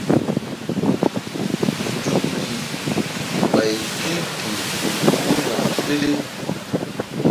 Nzukri ɓay gi ke fe puhna pele.